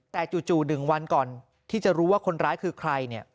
แต่จู่๑วันก่อนที่จะรู้ว่าคนร้ายคือใครเนี่ย